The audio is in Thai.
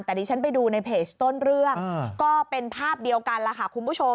แต่ดิฉันไปดูในเพจต้นเรื่องก็เป็นภาพเดียวกันล่ะค่ะคุณผู้ชม